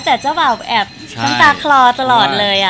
แต่เจ้าบ่าวแอบน้ำตาคลอตลอดเลย